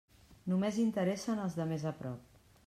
Només interessen els de més a prop.